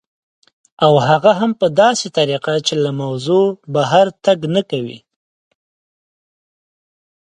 او هغه هم په داسې طریقه چې له موضوع بهر تګ نه کوي